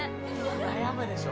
悩むでしょ？